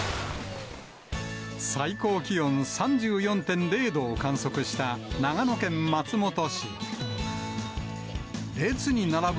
最高気温３４．０度を観測した長野県松本市。